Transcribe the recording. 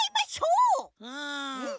うん。